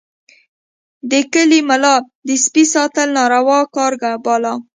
د کلي ملا د سپي ساتل ناروا کار باله.